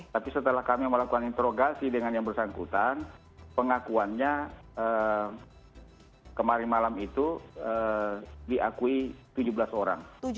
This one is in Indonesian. tapi setelah kami melakukan interogasi dengan yang bersangkutan pengakuannya kemarin malam itu diakui tujuh belas orang